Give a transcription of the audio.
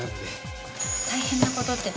大変な事って？